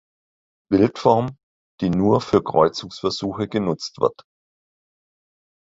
Wildform, die nur für Kreuzungsversuche genutzt wird.